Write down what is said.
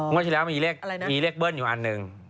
ที่แล้วมีเลขเบิ้ลอยู่อันหนึ่ง